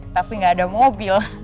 tapi gak ada mobil